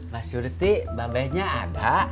mbak surti babenya ada